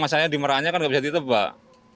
masanya dimarahannya kan gak bisa ditetap pak